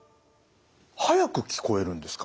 速く聞こえるんですか？